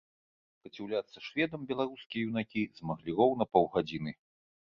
Супраціўляцца шведам беларускія юнакі змаглі роўна паўгадзіны.